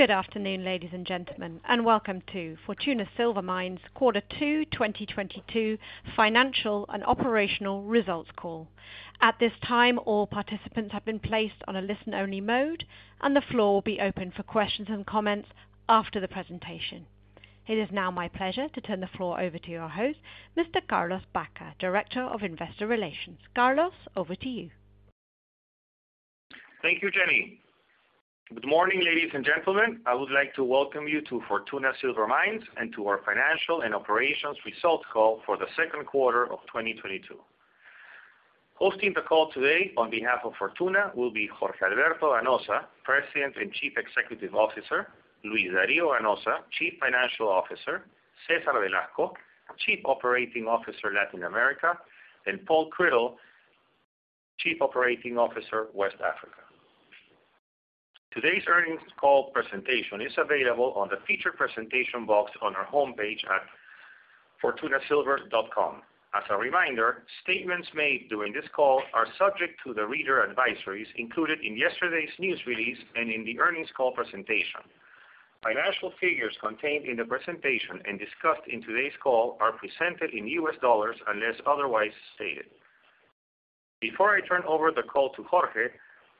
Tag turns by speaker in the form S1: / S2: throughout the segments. S1: Good afternoon, ladies and gentlemen, and welcome to Fortuna Silver Mines Quarter two 2022 Financial and Operational Results Call. At this time, all participants have been placed on a listen-only mode, and the floor will be open for questions and comments after the presentation. It is now my pleasure to turn the floor over to your host, Mr. Carlos Baca, Director of Investor Relations. Carlos, over to you.
S2: Thank you, Jenny. Good morning, ladies and gentlemen. I would like to welcome you to Fortuna Silver Mines and to our financial and operations results call for the second quarter of 2022. Hosting the call today on behalf of Fortuna will be Jorge Alberto Ganoza, President and Chief Executive Officer, Luis Dario Ganoza, Chief Financial Officer, Cesar Velasco, Chief Operating Officer, Latin America, and Paul Criddle, Chief Operating Officer, West Africa. Today's earnings call presentation is available on the Featured Presentation box on our homepage at fortunasilver.com. As a reminder, statements made during this call are subject to the reader advisories included in yesterday's news release and in the earnings call presentation. Financial figures contained in the presentation and discussed in today's call are presented in U.S. dollars, unless otherwise stated. Before I turn over the call to Jorge,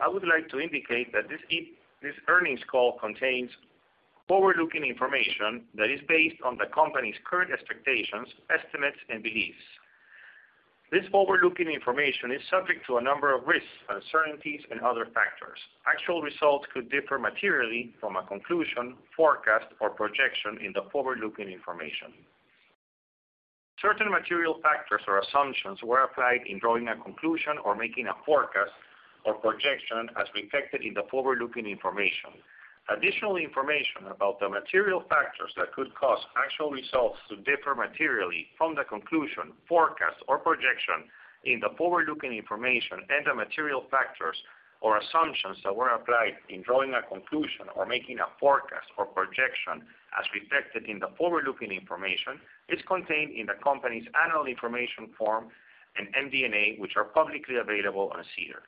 S2: I would like to indicate that this earnings call contains forward-looking information that is based on the company's current expectations, estimates and beliefs. This forward-looking information is subject to a number of risks, uncertainties and other factors. Actual results could differ materially from a conclusion, forecast or projection in the forward-looking information. Certain material factors or assumptions were applied in drawing a conclusion or making a forecast or projection as reflected in the forward-looking information. Additional information about the material factors that could cause actual results to differ materially from the conclusion, forecast or projection in the forward-looking information and the material factors or assumptions that were applied in drawing a conclusion or making a forecast or projection as reflected in the forward-looking information is contained in the company's annual information form and MD&A, which are publicly available on SEDAR.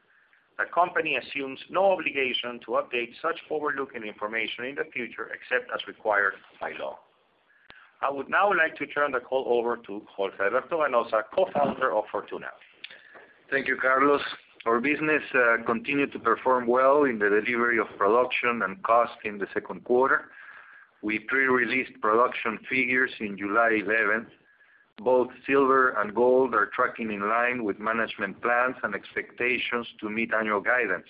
S2: The company assumes no obligation to update such forward-looking information in the future, except as required by law. I would now like to turn the call over to Jorge Alberto Ganoza, co-founder of Fortuna.
S3: Thank you, Carlos. Our business continued to perform well in the delivery of production and cost in the second quarter. We pre-released production figures in July 11th. Both silver and gold are tracking in line with management plans and expectations to meet annual guidance.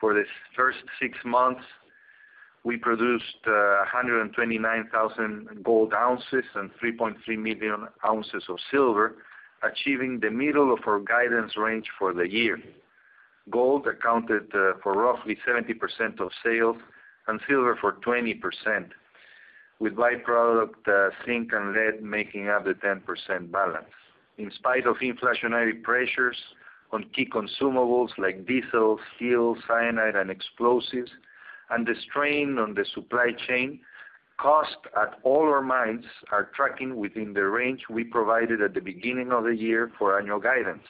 S3: For the first six months, we produced 129,000 gold ounces and 3.3 million ounces of silver, achieving the middle of our guidance range for the year. Gold accounted for roughly 70% of sales and silver for 20%, with by-product zinc and lead making up the 10% balance. In spite of inflationary pressures on key consumables like diesel, steel, cyanide and explosives, and the strain on the supply chain, costs at all our mines are tracking within the range we provided at the beginning of the year for annual guidance.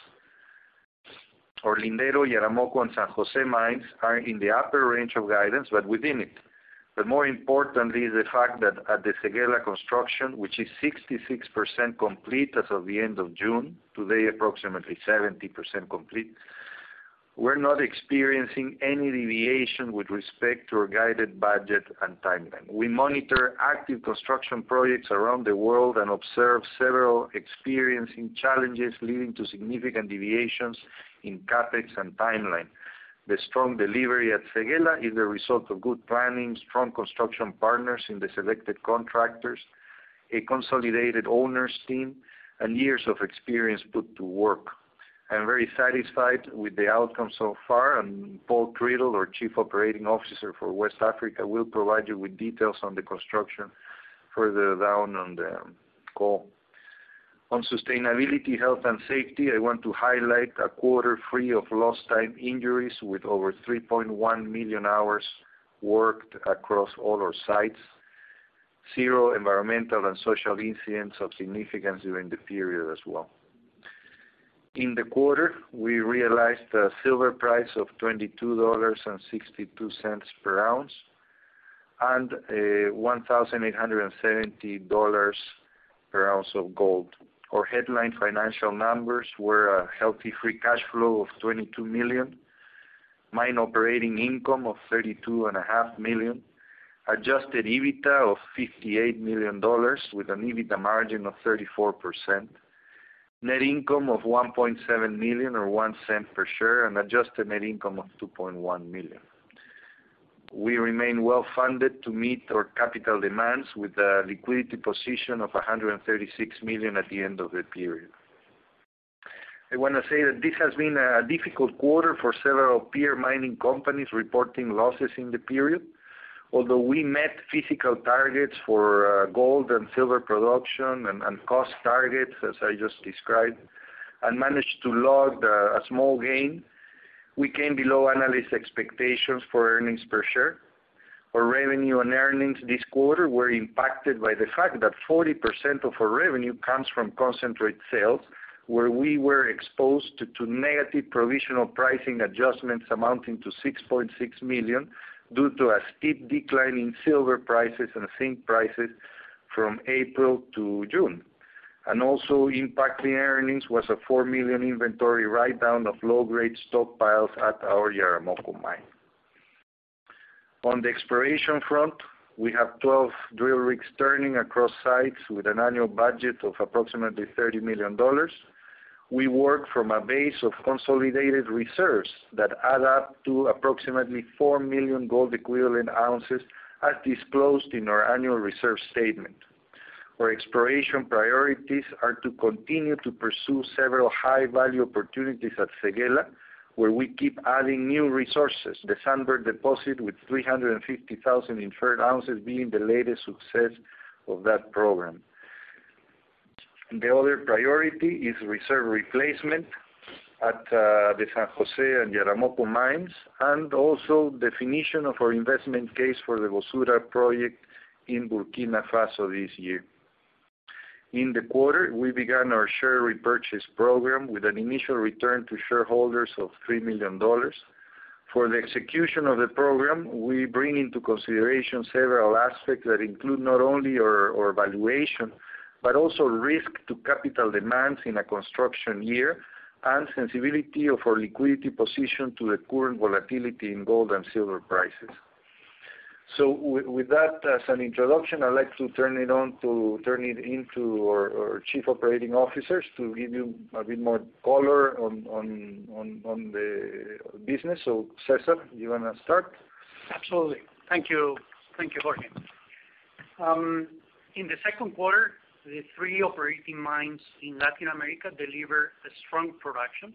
S3: Our Lindero, Yaramoko and San Jose mines are in the upper range of guidance, but within it. More importantly is the fact that at the Séguéla construction, which is 66% complete as of the end of June, today approximately 70% complete, we're not experiencing any deviation with respect to our guided budget and timeline. We monitor active construction projects around the world and observe several experiencing challenges leading to significant deviations in CapEx and timeline. The strong delivery at Séguéla is a result of good planning, strong construction partners in the selected contractors, a consolidated owners team, and years of experience put to work. I am very satisfied with the outcome so far, and Paul Criddle, our Chief Operating Officer for West Africa, will provide you with details on the construction further down on the call. On sustainability, health and safety, I want to highlight a quarter free of lost time injuries with over 3.1 million hours worked across all our sites. Zero environmental and social incidents of significance during the period as well. In the quarter, we realized a silver price of $22.62 per ounce and $1,870 per ounce of gold. Our headline financial numbers were a healthy free cash flow of $22 million, mine operating income of $32.5 million, adjusted EBITDA of $58 million with an EBITDA margin of 34%, net income of $1.7 million or $0.01 per share and adjusted net income of $2.1 million. We remain well-funded to meet our capital demands with a liquidity position of $136 million at the end of the period. I wanna say that this has been a difficult quarter for several peer mining companies reporting losses in the period. Although we met physical targets for gold and silver production and cost targets, as I just described, and managed to log a small gain, we came below analyst expectations for earnings per share. Our revenue and earnings this quarter were impacted by the fact that 40% of our revenue comes from concentrate sales, where we were exposed to negative provisional pricing adjustments amounting to $6.6 million due to a steep decline in silver prices and zinc prices from April to June. Also impacting earnings was a $4 million inventory write down of low-grade stockpiles at our Yaramoko Mine. On the exploration front, we have 12 drill rigs turning across sites with an annual budget of approximately $30 million. We work from a base of consolidated reserves that add up to approximately 4 million gold equivalent ounces as disclosed in our annual reserve statement. Our exploration priorities are to continue to pursue several high-value opportunities at Séguéla, where we keep adding new resources. The Sunbird deposit with 350,000 inferred ounces being the latest success of that program. The other priority is reserve replacement at the San Jose and Yaramoko mines, and also definition of our investment case for the Boussoura project in Burkina Faso this year. In the quarter, we began our share repurchase program with an initial return to shareholders of $3 million. For the execution of the program, we bring into consideration several aspects that include not only our valuation, but also risk to capital demands in a construction year and sensitivity of our liquidity position to the current volatility in gold and silver prices. With that as an introduction, I'd like to turn it over to our chief operating officers to give you a bit more color on the business. Cesar, you wanna start?
S4: Absolutely. Thank you. Thank you, Jorge. In the second quarter, the three operating mines in Latin America delivered a strong production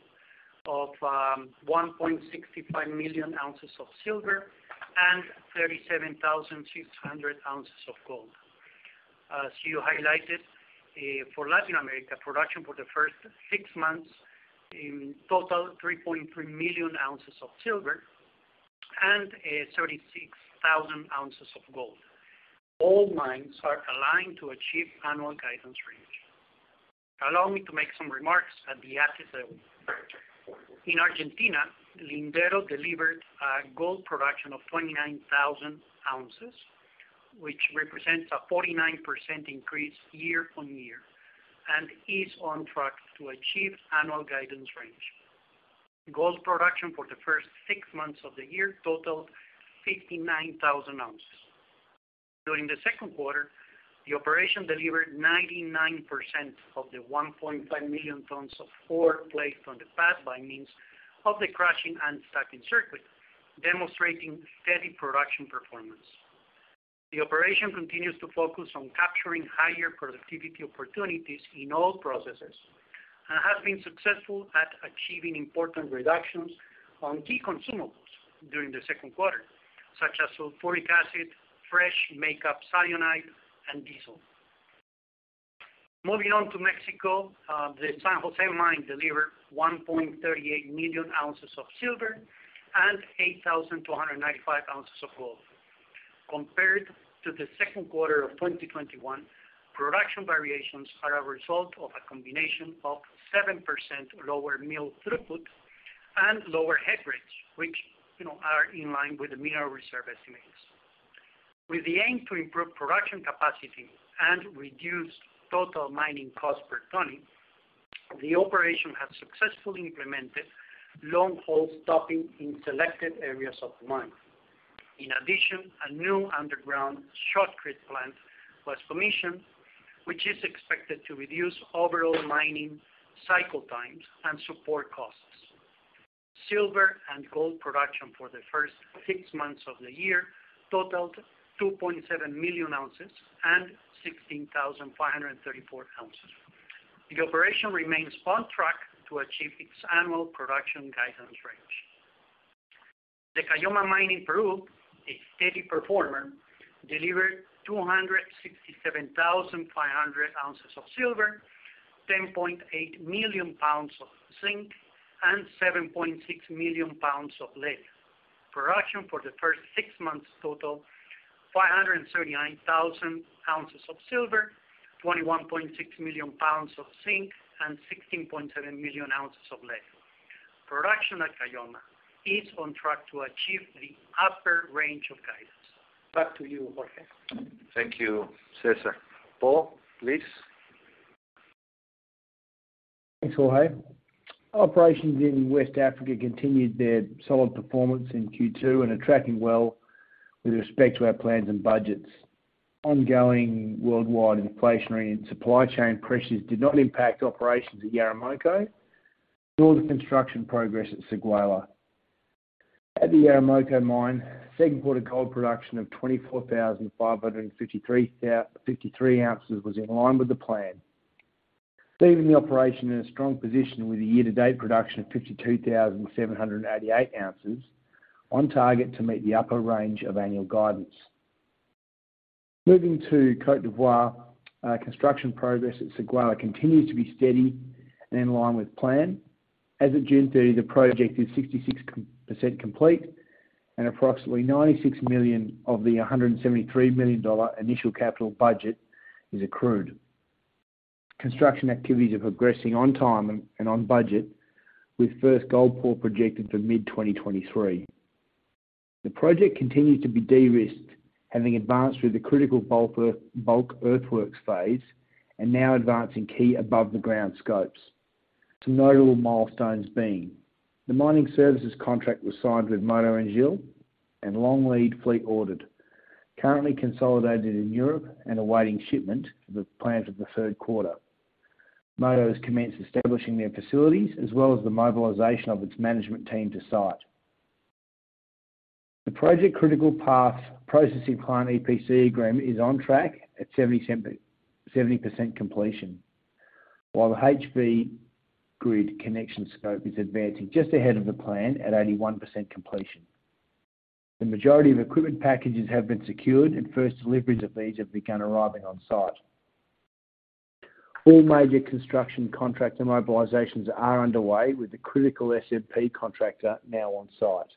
S4: of 1.65 million ounces of silver and 37,600 ounces of gold. As you highlighted, for Latin America, production for the first six months in total 3.3 million ounces of silver and 36,000 ounces of gold. All mines are aligned to achieve annual guidance range. Allow me to make some remarks at the asset level. In Argentina, Lindero delivered a gold production of 29,000 ounces, which represents a 49% increase year-on-year and is on track to achieve annual guidance range. Gold production for the first six months of the year totaled 59,000 ounces. During the second quarter, the operation delivered 99% of the 1.5 million tons of ore placed on the pad by means of the crushing and stacking circuit, demonstrating steady production performance. The operation continues to focus on capturing higher productivity opportunities in all processes, and has been successful at achieving important reductions on key consumables during the second quarter, such as sulfuric acid, fresh makeup cyanide, and diesel. Moving on to Mexico, the San Jose mine delivered 1.38 million ounces of silver and 8,295 ounces of gold. Compared to the second quarter of 2021, production variations are a result of a combination of 7% lower mill throughput and lower head grades, which, you know, are in line with the mineral reserve estimates. With the aim to improve production capacity and reduce total mining cost per ton, the operation has successfully implemented long-hole stoping in selected areas of the mine. In addition, a new underground shotcrete plant was commissioned, which is expected to reduce overall mining cycle times and support costs. Silver and gold production for the first six months of the year totaled 2.7 million ounces and 16,534 ounces. The operation remains on track to achieve its annual production guidance range. The Caylloma mine in Peru, a steady performer, delivered 267,500 ounces of silver, 10.8 million pounds of zinc, and 7.6 million pounds of lead. Production for the first six months totaled 539,000 ounces of silver, 21.6 million pounds of zinc, and 16.7 million pounds of lead. Production at Caylloma is on track to achieve the upper range of guidance. Back to you, Jorge.
S3: Thank you, Cesar. Paul, please.
S5: Thanks, Jorge. Operations in West Africa continued their solid performance in Q2 and are tracking well with respect to our plans and budgets. Ongoing worldwide inflationary and supply chain pressures did not impact operations at Yaramoko, nor the construction progress at Séguéla. At the Yaramoko mine, second quarter gold production of 24,553 ounces was in line with the plan, leaving the operation in a strong position with a year-to-date production of 52,788 ounces on target to meet the upper range of annual guidance. Moving to Côte d'Ivoire, construction progress at Séguéla continues to be steady and in line with plan. As of June thirtieth, the project is 66% complete and approximately $96 million of the $173 million initial capital budget is accrued. Construction activities are progressing on time and on budget with first gold pour projected for mid-2023. The project continues to be de-risked, having advanced through the critical bulk earthworks phase and now advancing key above-ground scopes. Some notable milestones being the mining services contract was signed with Mota-Engil and long-lead fleet ordered, currently consolidated in Europe and awaiting shipment planned for the third quarter. Mota-Engil has commenced establishing their facilities as well as the mobilization of its management team to site. The project critical path processing plant EPC agreement is on track at 77% completion. While the HV grid connection scope is advancing just ahead of the plan at 81% completion. The majority of equipment packages have been secured and first deliveries of these have begun arriving on site. All major construction contractor mobilizations are underway with the critical SMP contractor now on site.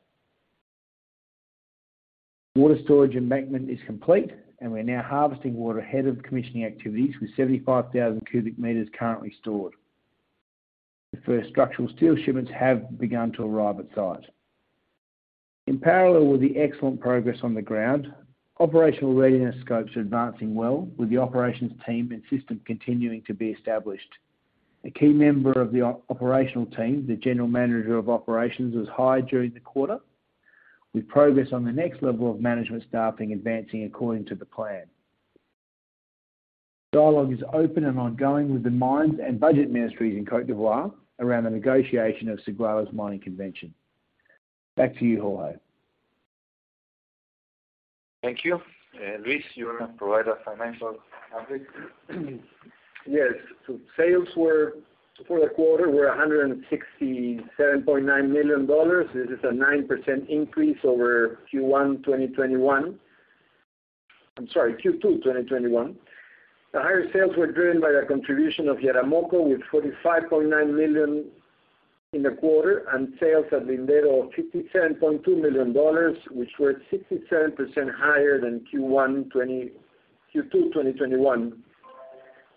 S5: Water storage embankment is complete, and we're now harvesting water ahead of commissioning activities with 75,000 cubic meters currently stored. The first structural steel shipments have begun to arrive at site. In parallel with the excellent progress on the ground, operational readiness scopes are advancing well with the operations team and system continuing to be established. A key member of the operational team, the general manager of operations, was hired during the quarter. With progress on the next level of management staffing advancing according to the plan. Dialogue is open and ongoing with the mines and budget ministries in Côte d'Ivoire around the negotiation of Séguéla's mining convention. Back to you, Jorge.
S3: Thank you. Luis, you wanna provide our financial update?
S6: Yes. Sales were for the quarter $167.9 million. This is a 9% increase over Q1 2021. I'm sorry, Q2 2021. The higher sales were driven by the contribution of Yaramoko, with $45.9 million in the quarter and sales at Lindero of $57.2 million, which were 67% higher than Q2 2021,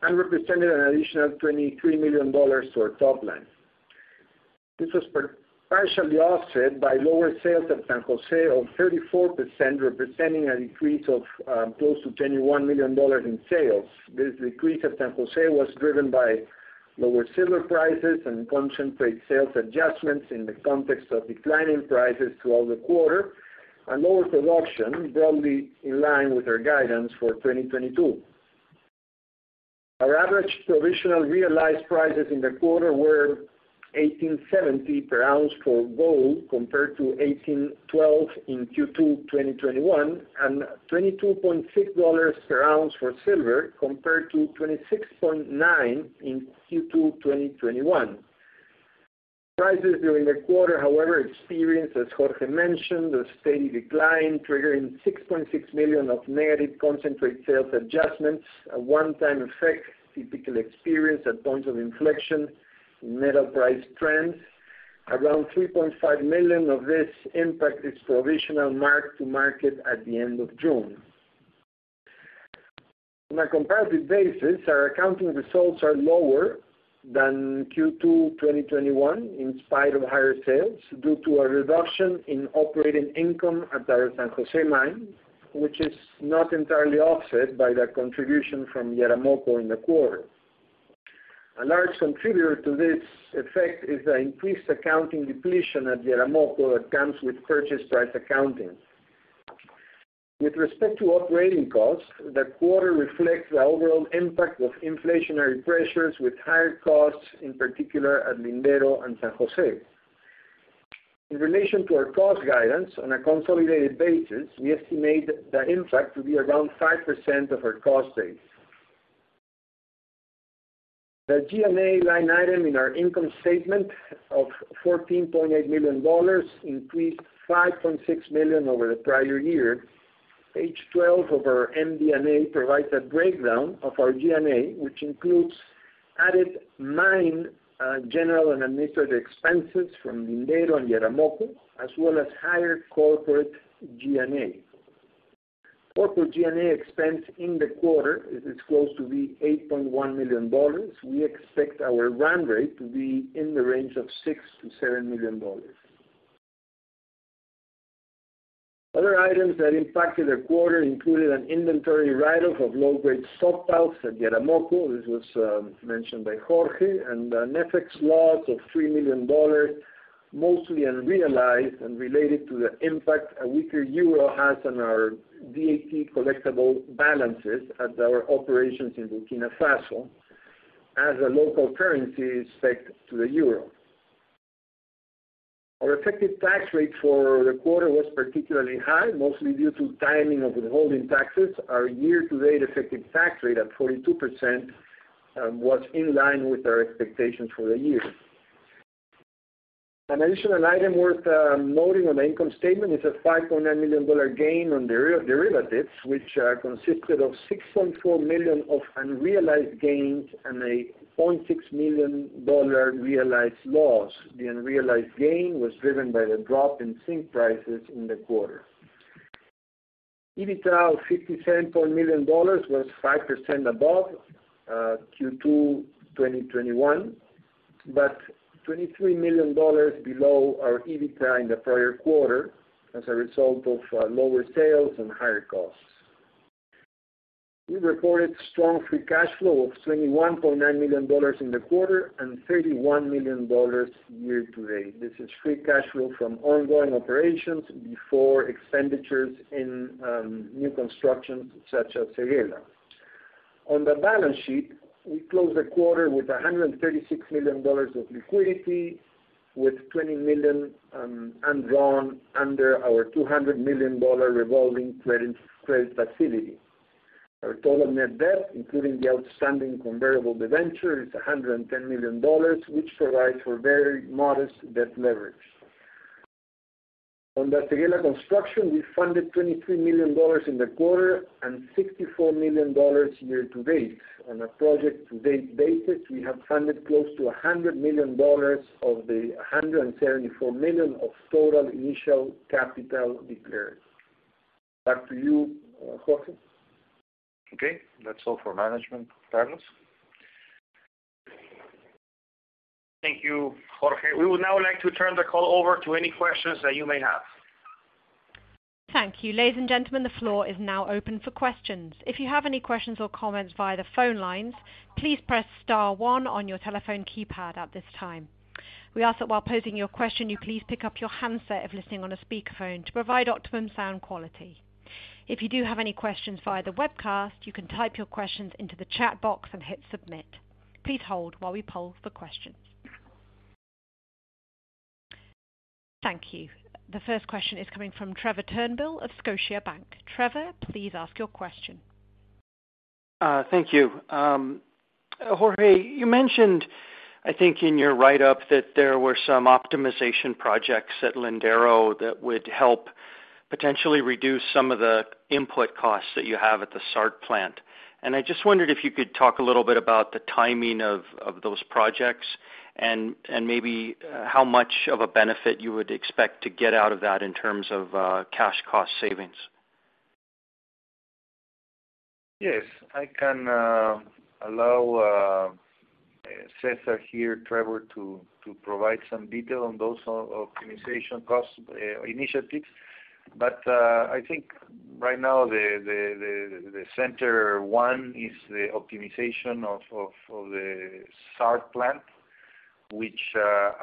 S6: and represented an additional $23 million to our top line. This was partially offset by lower sales at San Jose of 34%, representing a decrease of close to $21 million in sales. This decrease at San Jose was driven by lower silver prices and concentrate sales adjustments in the context of declining prices throughout the quarter and lower production, broadly in line with our guidance for 2022. Our average provisional realized prices in the quarter were $1,870 per ounce for gold, compared to $1,812 in Q2 2021, and $22.6 per ounce for silver, compared to $26.9 in Q2 2021. Prices during the quarter, however, experienced, as Jorge mentioned, a steady decline, triggering $6.6 million of negative concentrate sales adjustments, a one-time effect typically experienced at point of inflection in metal price trends. Around $3.5 million of this impact is provisional mark-to-market at the end of June. On a comparative basis, our accounting results are lower than Q2 2021, in spite of higher sales, due to a reduction in operating income at our San Jose mine, which is not entirely offset by the contribution from Yaramoko in the quarter. A large contributor to this effect is the increased accounting depletion at Yaramoko that comes with purchase price accounting. With respect to operating costs, the quarter reflects the overall impact of inflationary pressures with higher costs, in particular at Lindero and San Jose. In relation to our cost guidance on a consolidated basis, we estimate the impact to be around 5% of our cost base. The G&A line item in our income statement of $14.8 million increased $5.6 million over the prior year. Page 12 of our MD&A provides a breakdown of our G&A, which includes added mine general and administrative expenses from Lindero and Yaramoko, as well as higher corporate G&A. Corporate G&A expense in the quarter is close to the $8.1 million. We expect our run rate to be in the range of $6-7 million. Other items that impacted the quarter included an inventory write-off of low-grade stockpiles at Yaramoko. This was mentioned by Jorge. An FX loss of $3 million, mostly unrealized and related to the impact a weaker euro has on our VAT collectible balances at our operations in Burkina Faso, as a local currency is pegged to the euro. Our effective tax rate for the quarter was particularly high, mostly due to timing of withholding taxes. Our year-to-date effective tax rate at 42% was in line with our expectations for the year. An additional item worth noting on the income statement is a $5.9 million gain on derivatives, which consisted of $6.4 million of unrealized gains and a $0.6 million realized loss. The unrealized gain was driven by the drop in zinc prices in the quarter. EBITDA of $57 million was 5% above Q2 2021, but $23 million below our EBITDA in the prior quarter as a result of lower sales and higher costs. We reported strong free cash flow of $21.9 million in the quarter and $31 million year-to-date. This is free cash flow from ongoing operations before expenditures in new constructions such as Séguéla. On the balance sheet, we closed the quarter with $136 million of liquidity with $20 million undrawn under our $200 million revolving credit facility. Our total net debt, including the outstanding convertible debenture, is $110 million, which provides for very modest debt leverage. On the Séguéla construction, we funded $23 million in the quarter and $64 million year-to-date. On a project-to-date basis, we have funded close to $100 million of the $174 million of total initial capital declared. Back to you, Jorge.
S3: Okay. That's all for management, Carlos.
S2: Thank you, Jorge. We would now like to turn the call over to any questions that you may have.
S1: Thank you. Ladies and gentlemen, the floor is now open for questions. If you have any questions or comments via the phone lines, please press star one on your telephone keypad at this time. We ask that while posing your question you please pick up your handset if listening on a speakerphone to provide optimum sound quality. If you do have any questions via the webcast, you can type your questions into the chat box and hit Submit. Please hold while we poll for questions. Thank you. The first question is coming from Trevor Turnbull of Scotiabank. Trevor, please ask your question.
S7: Jorge, you mentioned, I think, in your write-up that there were some optimization projects at Lindero that would help potentially reduce some of the input costs that you have at the SART plant. I just wondered if you could talk a little bit about the timing of those projects and maybe how much of a benefit you would expect to get out of that in terms of cash cost savings.
S3: Yes. I can allow Cesar here, Trevor, to provide some detail on those cost optimization initiatives. I think right now the central one is the optimization of the SART plant, which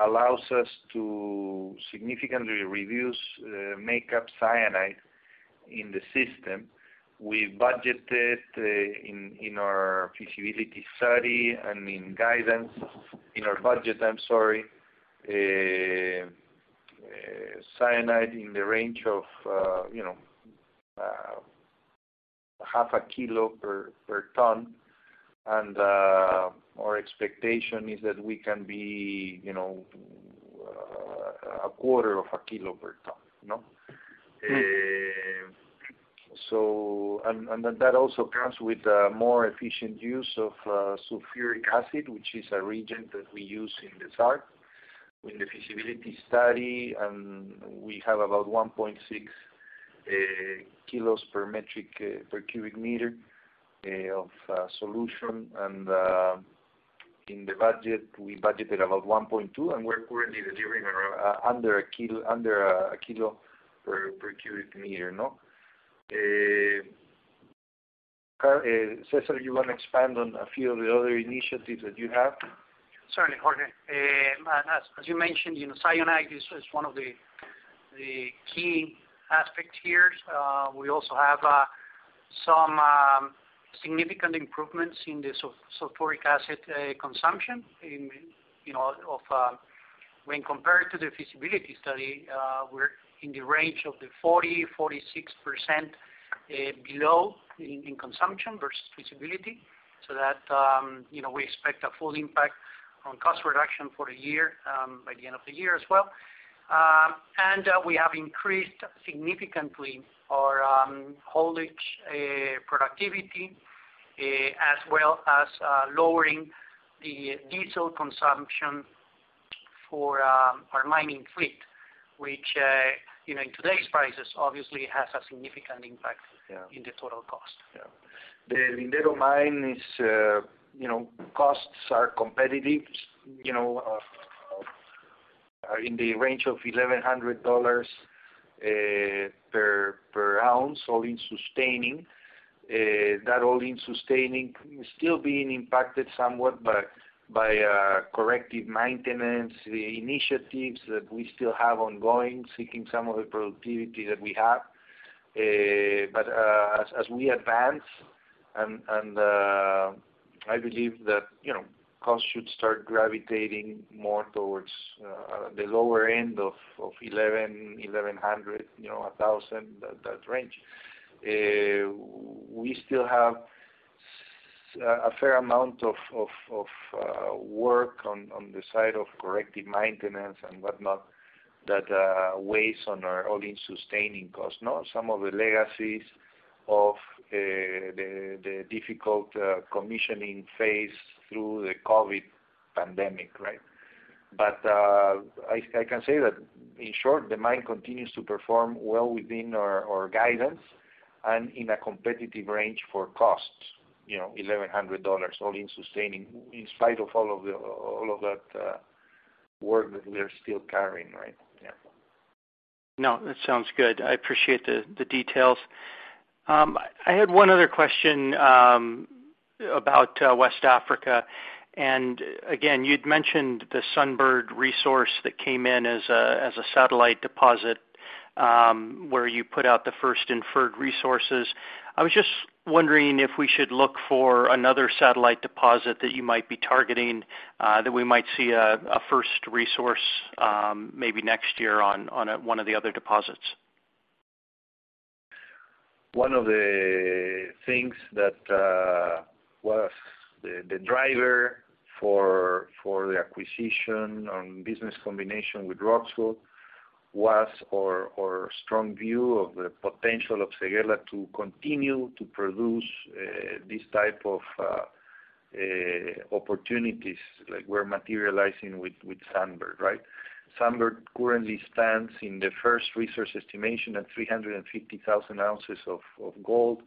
S3: allows us to significantly reduce make-up cyanide in the system. We budgeted in our feasibility study and in guidance, in our budget, I'm sorry, cyanide in the range of, you know, half a kilo per ton. Our expectation is that we can be, you know, a quarter of a kilo per ton, you know? That also comes with a more efficient use of sulfuric acid, which is a reagent that we use in the SART. In the feasibility study, we have about 1.6 kilos per metric per cubic meter of solution. In the budget, we budgeted about 1.2, and we're currently delivering under 1 kilo per cubic meter, no? Cesar, you want to expand on a few of the other initiatives that you have?
S4: Certainly, Jorge. As you mentioned, you know, cyanide is one of the key aspects here. We also have some significant improvements in the sulfuric acid consumption, you know, when compared to the feasibility study. We're in the range of 46% below in consumption versus feasibility. That, you know, we expect a full impact on cost reduction for the year by the end of the year as well. We have increased significantly our haulage productivity as well as lowering the diesel consumption for our mining fleet, which, you know, in today's prices obviously has a significant impact.
S3: Yeah.
S4: in the total cost.
S3: Yeah. The Lindero mine is, you know, costs are competitive, you know, in the range of $1,100 per ounce all-in sustaining. That all-in sustaining still being impacted somewhat by corrective maintenance initiatives that we still have ongoing, seeking some of the productivity that we have. As we advance and I believe that, you know, costs should start gravitating more towards the lower end of 1,100, 1,000, that range. We still have a fair amount of work on the side of corrective maintenance and whatnot that weighs on our all-in sustaining costs, no? Some of the legacies of the difficult commissioning phase through the COVID pandemic, right? I can say that in short, the mine continues to perform well within our guidance and in a competitive range for costs, you know, $1,100 all-in sustaining, in spite of all of that work that we're still carrying, right? Yeah.
S7: No, that sounds good. I appreciate the details. I had one other question about West Africa. Again, you'd mentioned the Sunbird resource that came in as a satellite deposit where you put out the first inferred resources. I was just wondering if we should look for another satellite deposit that you might be targeting that we might see a first resource maybe next year on one of the other deposits.
S3: One of the things that was the driver for the acquisition and business combination with Roxgold was our strong view of the potential of Séguéla to continue to produce this type of opportunities like we're materializing with Sunbird, right? Sunbird currently stands in the first resource estimation at 350,000 ounces of gold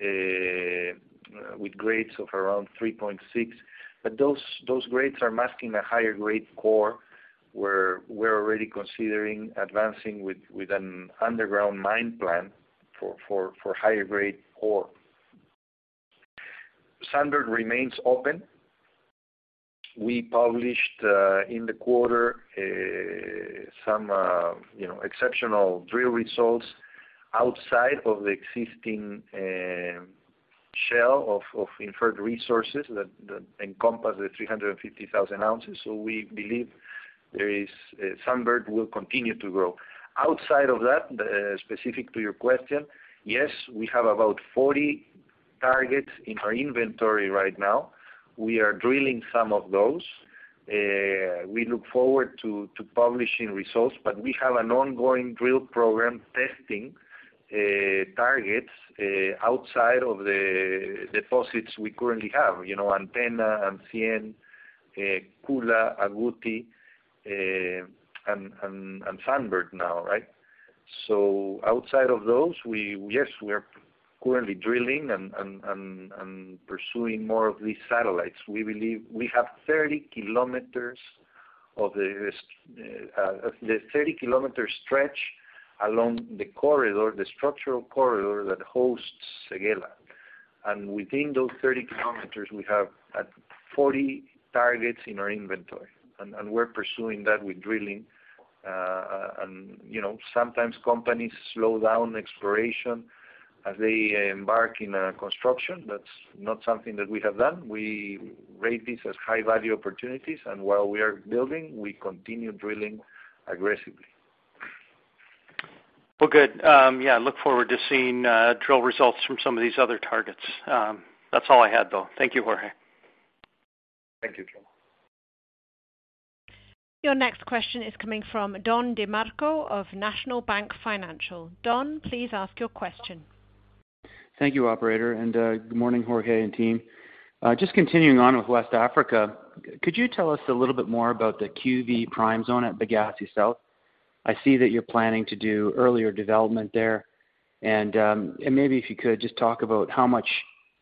S3: with grades of around 3.6. But those grades are masking a higher grade core, where we're already considering advancing with an underground mine plan for higher grade core. Sunbird remains open. We published in the quarter some, you know, exceptional drill results outside of the existing shell of inferred resources that encompass the 350,000 ounces. We believe Sunbird will continue to grow. Outside of that, specific to your question, yes, we have about 40 targets in our inventory right now. We are drilling some of those. We look forward to publishing results, but we have an ongoing drill program testing targets outside of the deposits we currently have. You know, Antenna, Ancien, Koula, Agouti, and Sunbird now, right? Outside of those, yes, we are currently drilling and pursuing more of these satellites. We believe we have 30 kilometers of the 30-kilometer stretch along the corridor, the structural corridor that hosts Séguéla. Within those 30 kilometers, we have 40 targets in our inventory. We're pursuing that with drilling. You know, sometimes companies slow down exploration as they embark on a construction. That's not something that we have done. We rate these as high-value opportunities, and while we are building, we continue drilling aggressively.
S7: Well, good. Yeah, look forward to seeing drill results from some of these other targets. That's all I had, though. Thank you, Jorge.
S3: Thank you, Trevor.
S1: Your next question is coming from Don DeMarco of National Bank Financial. Don, please ask your question.
S8: Thank you, operator. Good morning, Jorge and team. Just continuing on with West Africa, could you tell us a little bit more about the QV Prime zone at Bagassi South? I see that you're planning to do earlier development there. Maybe if you could just talk about how much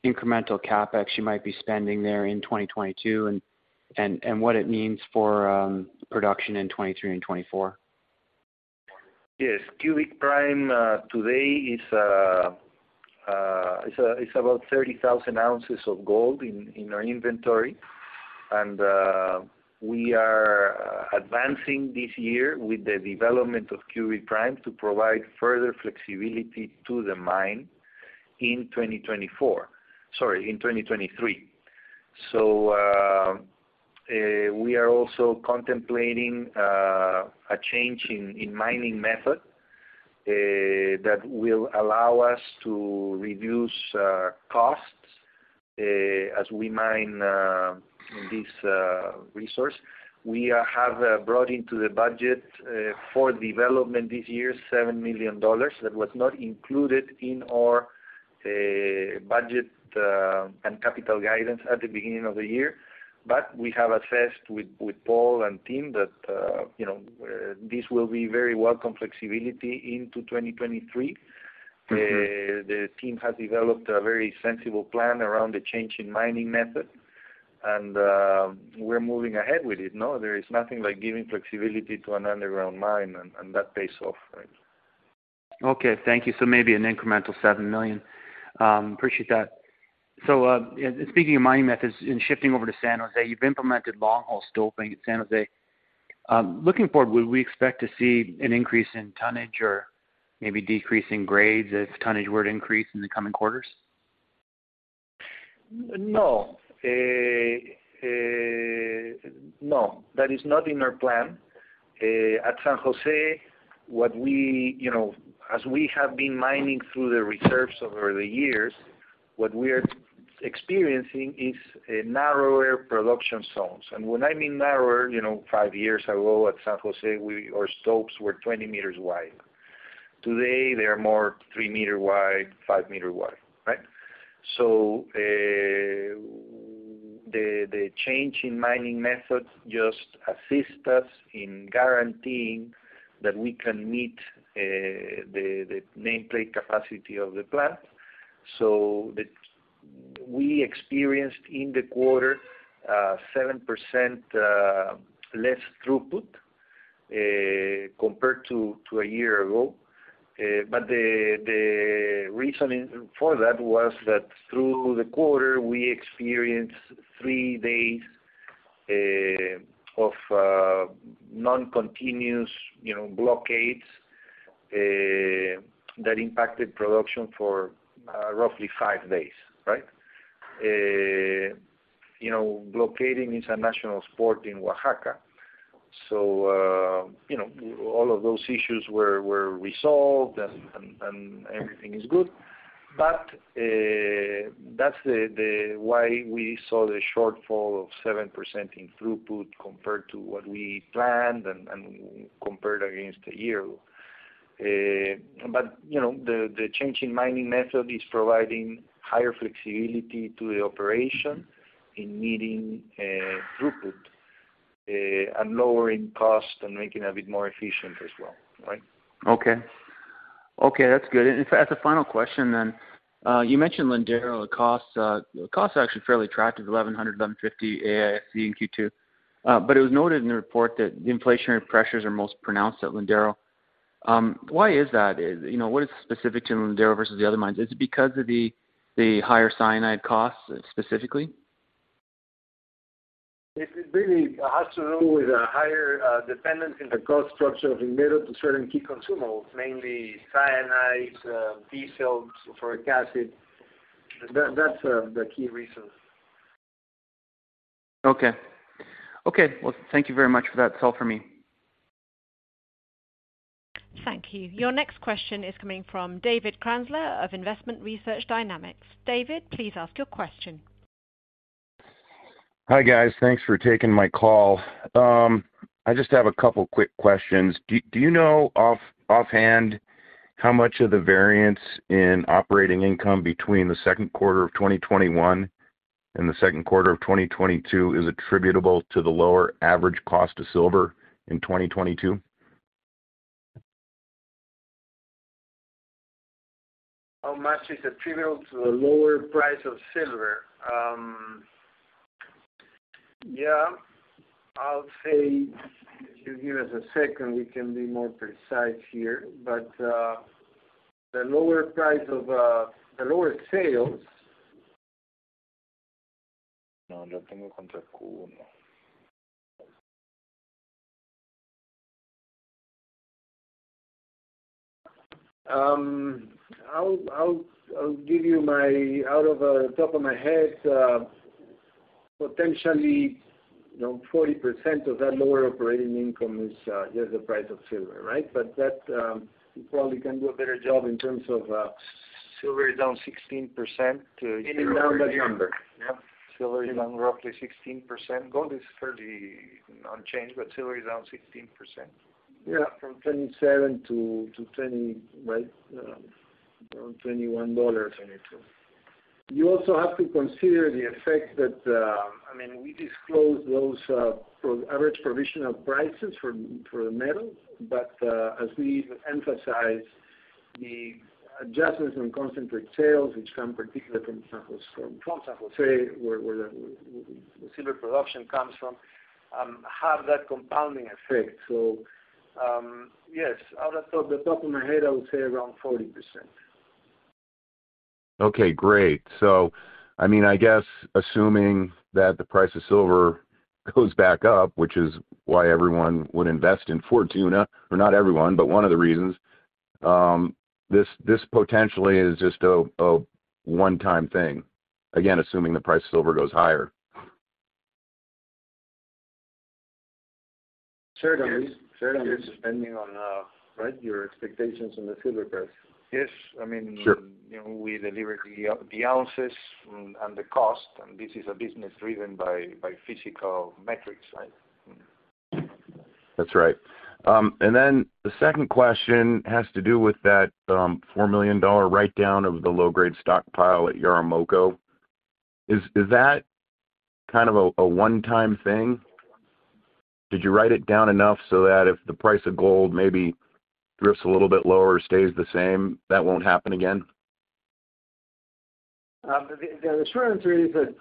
S8: incremental CapEx you might be spending there in 2022 and what it means for production in 2023 and 2024.
S3: Yes. QV Prime today is about 30,000 ounces of gold in our inventory. We are advancing this year with the development of QV Prime to provide further flexibility to the mine in 2024. Sorry, in 2023. We are also contemplating a change in mining method that will allow us to reduce costs as we mine this resource. We have brought into the budget for development this year $7 million. That was not included in our budget and capital guidance at the beginning of the year. We have assessed with Paul and team that you know this will be very welcome flexibility into 2023. The team has developed a very sensible plan around the change in mining method, and we're moving ahead with it. No, there is nothing like giving flexibility to an underground mine and that pays off, right?
S8: Okay. Thank you. Maybe an incremental $7 million. Appreciate that. Speaking of mining methods and shifting over to San Jose, you've implemented long-hole stoping at San Jose. Looking forward, would we expect to see an increase in tonnage or maybe decrease in grades if tonnage were to increase in the coming quarters?
S3: No, that is not in our plan. At San Jose, what we, you know, as we have been mining through the reserves over the years, what we are experiencing is a narrower production zones. When I mean narrower, you know, five years ago at San Jose, our stopes were 20 meters wide. Today they are more three-meter wide, five-meter wide, right? The change in mining methods just assist us in guaranteeing that we can meet the nameplate capacity of the plant. We experienced in the quarter 7% less throughput compared to a year ago. But the reasoning for that was that through the quarter, we experienced three days of non-continuous, you know, blockades that impacted production for roughly five days, right? You know, blockading international port in Oaxaca. You know, all of those issues were resolved and everything is good. That's the why we saw the shortfall of 7% in throughput compared to what we planned and compared against a year ago. You know, the change in mining method is providing higher flexibility to the operation in meeting throughput and lowering cost and making a bit more efficient as well, right?
S8: Okay, that's good. As a final question then, you mentioned Lindero costs. Costs are actually fairly attractive, $1,100-1,150 AISC in Q2. It was noted in the report that the inflationary pressures are most pronounced at Lindero. Why is that? You know, what is specific to Lindero versus the other mines? Is it because of the higher cyanide costs specifically?
S3: It really has to do with a higher dependence in the cost structure of the metal to certain key consumables, mainly cyanides, diesel, sulfuric acid. That's the key reason.
S8: Okay, well, thank you very much for that. That's all for me.
S1: Thank you. Your next question is coming from Dave Kranzler of Investment Research Dynamics. Dave, please ask your question.
S9: Hi, guys. Thanks for taking my call. I just have a couple quick questions. Do you know offhand how much of the variance in operating income between the second quarter of 2021 and the second quarter of 2022 is attributable to the lower average cost of silver in 2022?
S3: How much is attributable to the lower price of silver? Yeah, I'll say, if you give us a second, we can be more precise here. I'll give you my off the top of my head, potentially, you know, 40% of that lower operating income is just the price of silver, right? That we probably can do a better job in terms of.
S6: Silver is down 16% to-
S3: Give me that number.
S6: Yeah. Silver is down roughly 16%. Gold is fairly unchanged, but silver is down 16%.
S3: Yeah, from $27-$21.
S6: Twenty-two.
S3: You also have to consider the effect that, I mean, we disclose those average provisional prices for the metals. But as we emphasize the adjustments on concentrate sales, which come particularly from San Jose, where the silver production comes from, have that compounding effect. Yes, off the top of my head, I would say around 40%.
S9: Okay, great. I mean, I guess assuming that the price of silver goes back up, which is why everyone would invest in Fortuna or not everyone, but one of the reasons, this potentially is just a one-time thing. Again, assuming the price of silver goes higher.
S3: Certainly. Certainly.
S6: Depending on, right, your expectations on the silver price.
S3: Yes. I mean.
S9: Sure.
S3: You know, we deliver the ounces and the cost, and this is a business driven by physical metrics, right?
S9: That's right. Then the second question has to do with that $4 million write-down of the low-grade stockpile at Yaramoko. Is that kind of a one-time thing? Did you write it down enough so that if the price of gold maybe drifts a little bit lower, stays the same, that won't happen again?
S3: The short answer is that,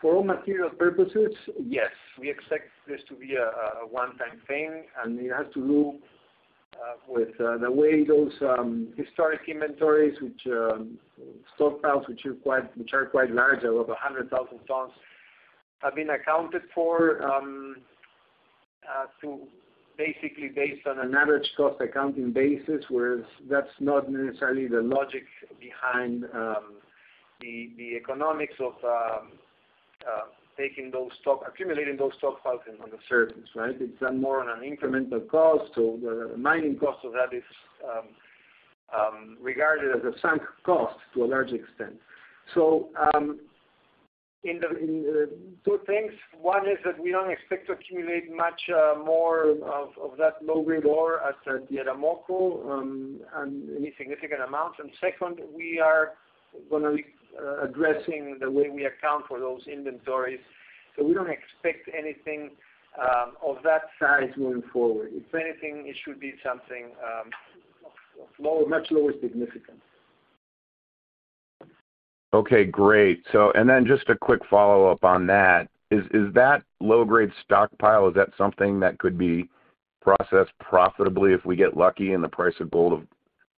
S3: for all material purposes, yes. We expect this to be a one-time thing, and it has to do with the way those historic inventories, which stockpiles which are quite large, are over 100,000 tons, have been accounted for based on an average cost accounting basis, whereas that's not necessarily the logic behind the economics of taking those stock, accumulating those stockpiles on the surface, right? It's more on an incremental cost. The mining cost of that is regarded as a sunk cost to a large extent. In the two things. One is that we don't expect to accumulate much more of that low-grade ore at the Yaramoko, and any significant amounts. Second, we are gonna be addressing the way we account for those inventories, so we don't expect anything of that size moving forward. If anything, it should be something low, much lower significance.
S9: Okay, great. Just a quick follow-up on that. Is that low-grade stockpile something that could be processed profitably if we get lucky and the price of gold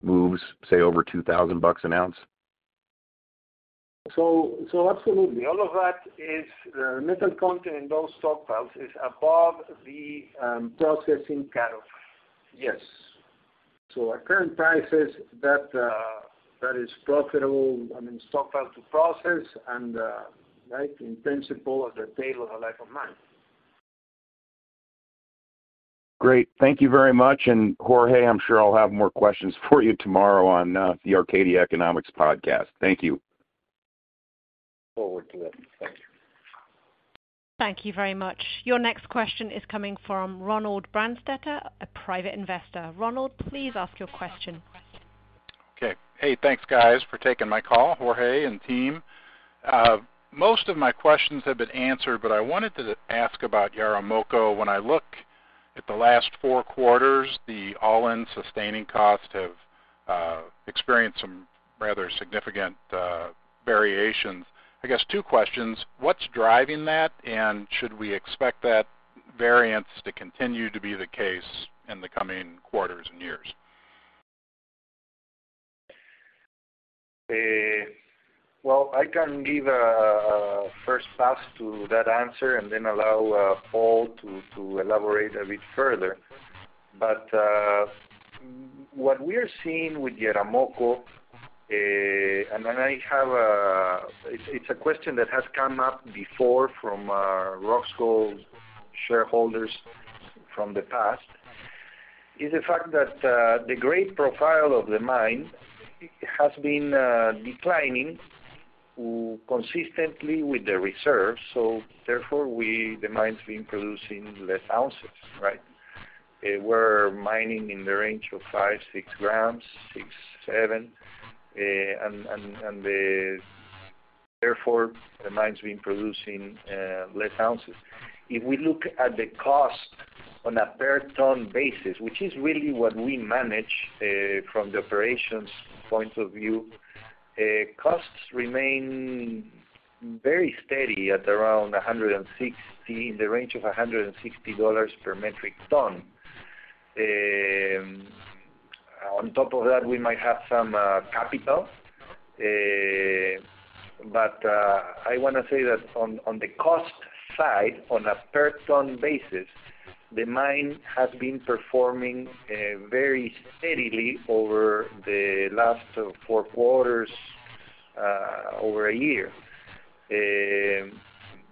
S9: moves, say, over $2,000 an ounce?
S3: Absolutely. All of that is metal content in those stockpiles is above the processing cutoff. Yes. At current prices, that is profitable, I mean, stockpile to process and right, in principle at the tail of the life of mine.
S9: Great. Thank you very much. Jorge, I'm sure I'll have more questions for you tomorrow on the Arcadia Economics Podcast. Thank you.
S3: forward to it. Thank you.
S1: Thank you very much. Your next question is coming from Ronald Brandstetter, a private investor. Ronald, please ask your question.
S10: Okay. Hey, thanks, guys, for taking my call, Jorge and team. Most of my questions have been answered, but I wanted to ask about Yaramoko. When I look at the last four quarters, the all-in sustaining cost have experienced some rather significant variations. I guess two questions. What's driving that? And should we expect that variance to continue to be the case in the coming quarters and years?
S3: Well, I can give a first pass to that answer and then allow Paul to elaborate a bit further. What we're seeing with Yaramoko is a question that has come up before from our Roxgold shareholders from the past, is the fact that the grade profile of the mine has been declining consistently with the reserves. Therefore the mine's been producing less ounces, right? We're mining in the range of 5-6 grams, 6-7 grams. Therefore, the mine's been producing less ounces. If we look at the cost on a per-ton basis, which is really what we manage, from the operations point of view, costs remain very steady at around $160, in the range of $160 per metric ton. On top of that, we might have some capital. I wanna say that on the cost side, on a per-ton basis, the mine has been performing very steadily over the last four quarters, over a year.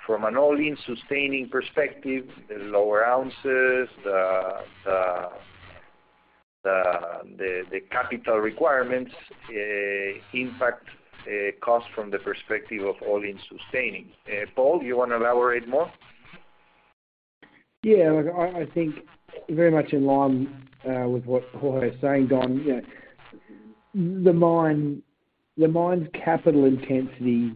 S3: From an all-in sustaining perspective, the lower ounces, the capital requirements impact cost from the perspective of all-in sustaining. Paul, you wanna elaborate more?
S5: Yeah. Look, I think very much in line with what Jorge is saying, Don. You know, the mine's capital intensity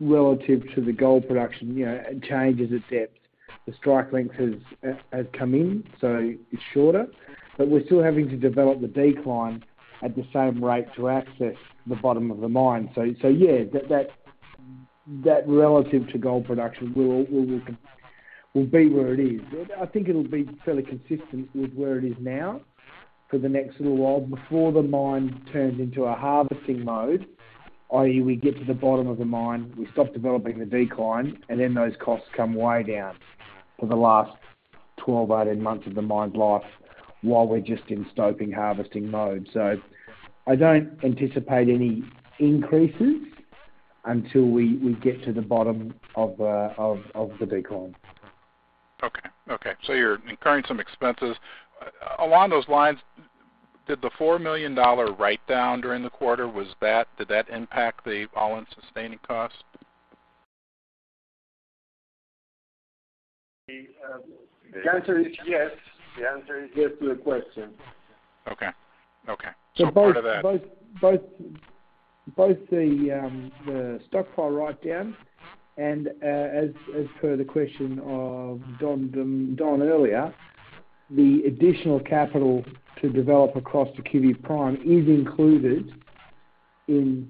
S5: relative to the gold production, you know, changes its depth. The strike length has come in, so it's shorter. But we're still having to develop the decline at the same rate to access the bottom of the mine. So yeah, that relative to gold production will be where it is. I think it'll be fairly consistent with where it is now for the next little while before the mine turns into a harvesting mode. I.e., we get to the bottom of the mine, we stop developing the decline, and then those costs come way down for the last 12, 18 months of the mine's life while we're just in stoping harvesting mode. I don't anticipate any increases until we get to the bottom of the decline.
S10: Okay. You're incurring some expenses. Along those lines, did the $4 million write-down during the quarter impact the all-in sustaining cost?
S3: The answer is yes. The answer is yes to the question.
S10: Okay. Part of that.
S5: Both the stockpile write-down and, as per the question of Don DeMarco earlier, the additional capital to develop across the QV Prime is included in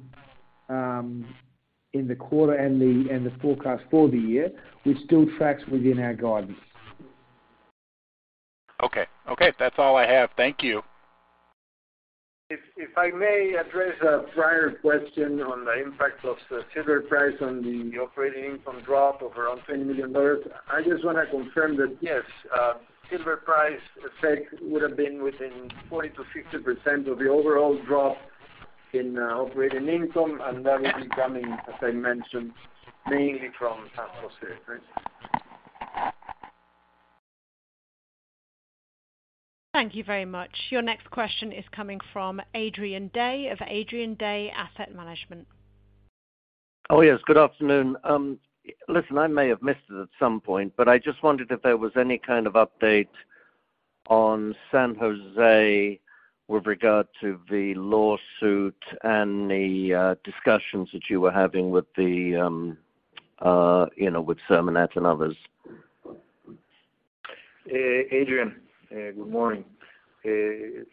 S5: the quarter and the forecast for the year, which still tracks within our guidance.
S10: Okay. Okay, that's all I have. Thank you.
S3: If I may address a prior question on the impact of silver price on the operating income drop of around $10 million. I just wanna confirm that, yes, silver price effect would have been within 40%-60% of the overall drop in operating income, and that would be coming, as I mentioned, mainly from price.
S1: Thank you very much. Your next question is coming from Adrian Day of Adrian Day Asset Management.
S11: Oh, yes, good afternoon. Listen, I may have missed it at some point, but I just wondered if there was any kind of update on San Jose with regard to the lawsuit and the discussions that you were having with the you know with SEMARNAT and others.
S3: Adrian, good morning.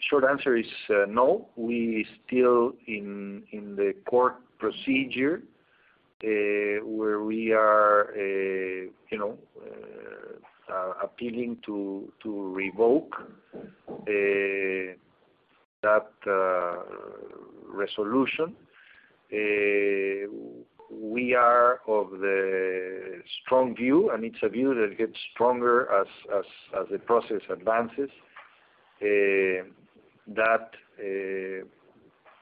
S3: Short answer is no. We are still in the court procedure where we are appealing to revoke that resolution. We are of the strong view, and it's a view that gets stronger as the process advances, that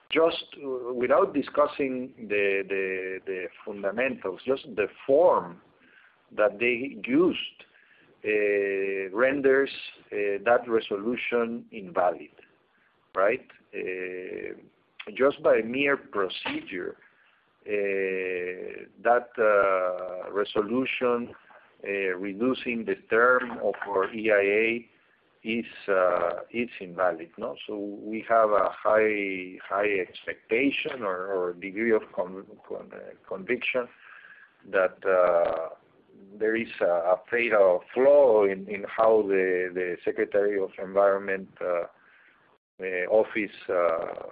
S3: just without discussing the fundamentals, just the form that they used renders that resolution invalid, right? Just by mere procedure, that resolution reducing the term of our EIA is invalid, you know. We have a high expectation or degree of conviction that there is a fatal flaw in how the Secretary of Environment Office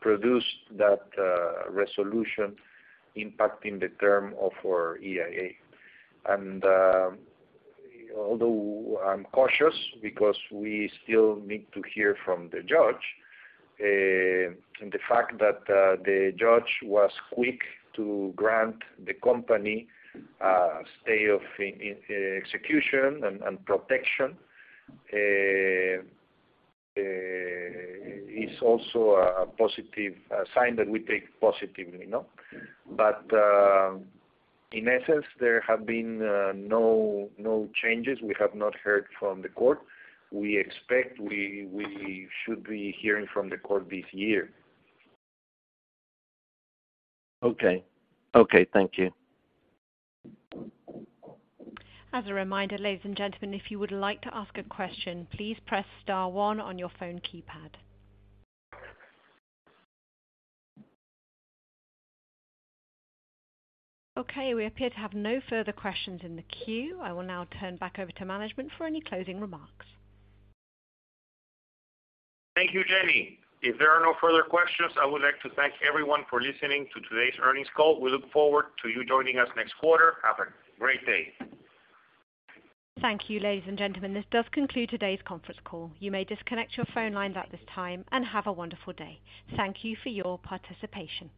S3: produced that resolution impacting the term of our EIA. Although I'm cautious because we still need to hear from the judge, and the fact that the judge was quick to grant the company a stay of injunction and protection is also a positive, a sign that we take positively, you know. In essence, there have been no changes. We have not heard from the court. We expect we should be hearing from the court this year.
S11: Okay, thank you.
S1: As a reminder, ladies and gentlemen, if you would like to ask a question, please press star one on your phone keypad. Okay, we appear to have no further questions in the queue. I will now turn back over to management for any closing remarks.
S3: Thank you, Jenny. If there are no further questions, I would like to thank everyone for listening to today's earnings call. We look forward to you joining us next quarter. Have a great day.
S1: Thank you, ladies and gentlemen. This does conclude today's conference call. You may disconnect your phone lines at this time and have a wonderful day. Thank you for your participation.